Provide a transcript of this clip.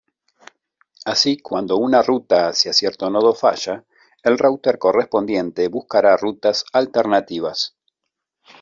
Así, cuando una ruta hacia cierto nodo falla, el router correspondiente buscará rutas alternativas.